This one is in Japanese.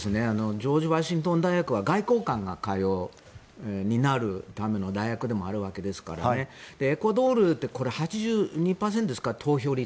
ジョージ・ワシントン大学は外交官が通う外交官になるための大学であるわけですからエクアドルって８２％ですか投票率。